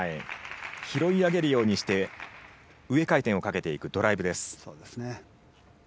拾い上げるようにして上回転をかけていくドライブ。